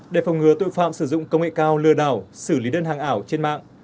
để phòng ngừa tội phạm sử dụng công nghệ cao lừa đảo xử lý đơn hàng ảo trên mạng